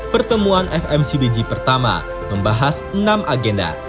pertemuan fmcbg pertama membahas enam agenda